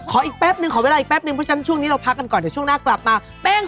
เหมือนผงพะโละอะอ๋ออืม